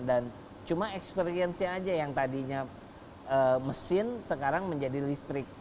dan cuma experience nya aja yang tadinya mesin sekarang menjadi listrik